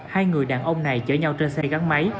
hai người đàn ông này chở nhau trên xe gắn máy